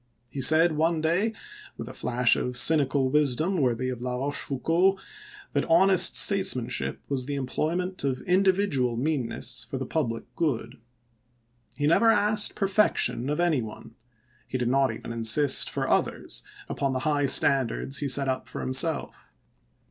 He said one day, with a flash of cynical wisdom worthy of La Bochefou cauld, that honest statesmanship was the employ ment of individual meannesses for the public good. He never asked perfection of any one ; he did not even insist, for others, upon the high standards he set up for himself.